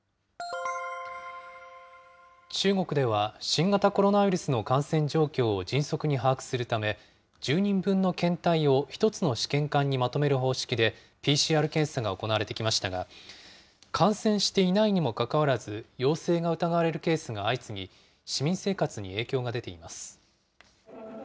中国では、新型コロナウイルスの感染状況を迅速に把握するため、１０人分の検体を１つの試験管にまとめる方式でＰＣＲ検査が行われてきましたが、感染していないにもかかわらず陽性が疑われるケースが相次ぎ、市民生活に影響が出ています。